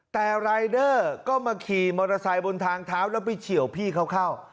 แต่รายเดอร์ก็มาขี่มอเตอร์ไซค์บนทางเท้าแล้วไปเฉียวพี่เขาเข้า